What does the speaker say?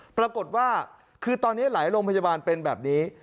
ปรากฏว่าคือตอนนี้หลายโรงพยาบาลเป็นแบบนี้